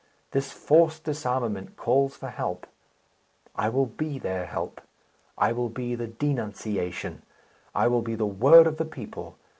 This forced disarmament calls for help. I will be their help; I will be the Denunciation; I will be the Word of the people.